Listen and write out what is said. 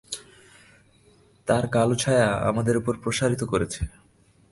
তার কালো ছায়া আমাদের উপর প্রসারিত করেছে।